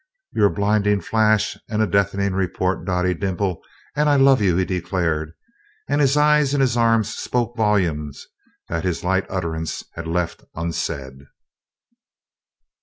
"You're a blinding flash and a deafening report, Dottie Dimple, and I love you," he declared and his eyes and his arms spoke volumes that his light utterance had left unsaid.